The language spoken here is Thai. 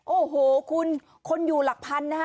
โอ้โหคุณคนอยู่หลักพันนะฮะ